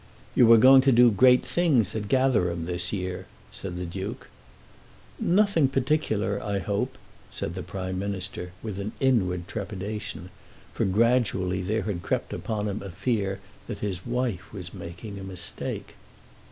"You are going to do great things at Gatherum this year," said the Duke. "Nothing particular, I hope," said the Prime Minister, with an inward trepidation, for gradually there had crept upon him a fear that his wife was making a mistake.